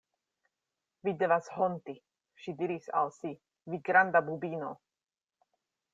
“Vi devas honti,” ŝi diris al si, “vi granda bubino!”